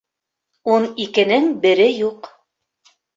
Ун икенең бере юҡ.